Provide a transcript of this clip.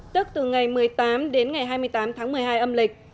tức từ ngày một mươi tám đến ngày hai mươi tám tháng một mươi hai âm lịch